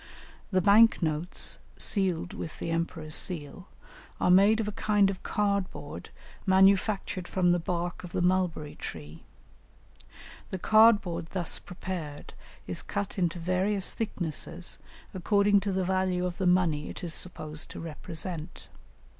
The bank notes, sealed with the emperor's seal, are made of a kind of card board manufactured from the bark of the mulberry tree. The card board thus prepared is cut into various thicknesses according to the value of the money it is supposed to represent.